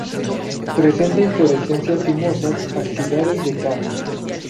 Presenta inflorescencias cimosas, axilares de ca.